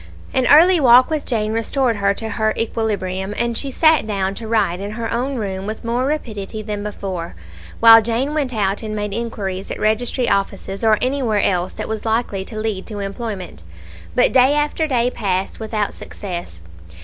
An early walk with Jane restored her to her equilibrium, and she sat down to write in her own room with more rapidity than before; while Jane went out and made inquiries at registry offices, or anywhere else that was likely to lead to employment; but day after day passed without success.